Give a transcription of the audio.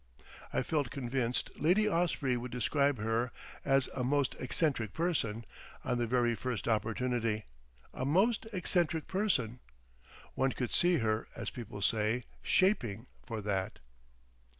I felt convinced Lady Osprey would describe her as "a most eccentric person" on the very first opportunity;—"a most eccentric person." One could see her, as people say, "shaping" for that.